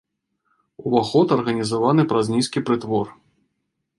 Уваход арганізаваны праз нізкі прытвор.